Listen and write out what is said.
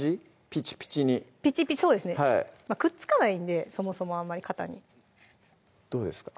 ピチピチにそうですねくっつかないんでそもそもあんまり型にどうですか？